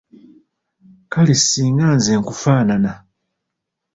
Kale singa nze nkufaanana.